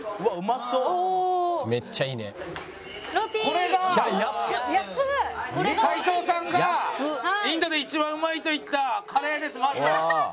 これが齋藤さんがインドで一番うまいと言ったカレーです。